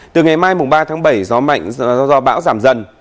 từ ngày mai mùng ba tháng bảy gió mạnh do bão giảm dần